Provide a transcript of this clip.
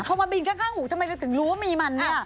เขามาบินข้างหูทำไมเราถึงรู้ว่ามีมันเนี่ย